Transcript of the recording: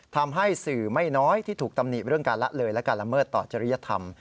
ทำให้สื่อไม่น้อยที่ถูกตำหนิเรื่องการละเลยและการละเมิดต่อจริยธรรม